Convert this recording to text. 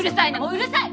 うるさい！